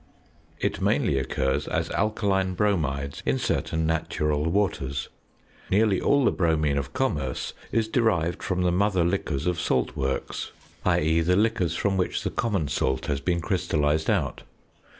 It mainly occurs as alkaline bromides in certain natural waters. Nearly all the bromine of commerce is derived from the mother liquors of salt works i.e., the liquors from which the common salt has been crystallised out.